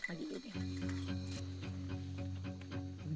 untuk lihat sunrise pagi ini